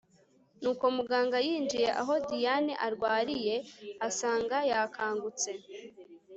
Nuko muganga yinjiye aho Diane arwariye asanga yakangutse